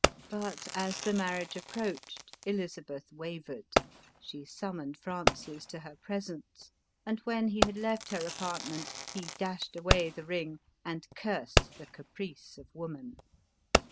But, as the marriage approached, Elizabeth wavered ; she summoned Francis to her presence ; and, when he had left her apartment, he dashed away the ring and cursed the caprice of woman.